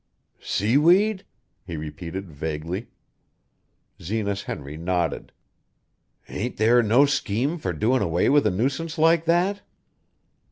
"Seaweed?" he repeated vaguely. Zenas Henry nodded. "Ain't there no scheme fur doin' away with a nuisance like that?"